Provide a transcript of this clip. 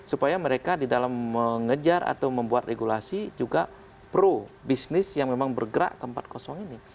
supaya mereka di dalam mengejar atau membuat regulasi juga pro bisnis yang memang bergerak ke tempat kosong ini